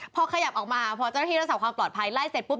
พอขยับออกมาพอเจ้าหน้าที่รักษาความปลอดภัยไล่เสร็จปุ๊